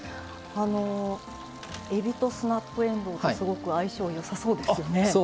えびとスナップえんどうってすごく相性よさそうですよね。